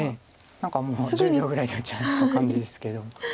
何かもう１０秒ぐらいで打っちゃった感じですけど。